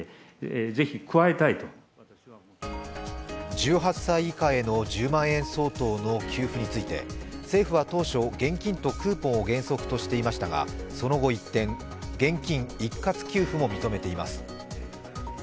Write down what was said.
１８歳以下への１０万円相当の給付について政府は当初、現金とクーポンを原則としていましたがその後、一転、現金一括給付も認めています。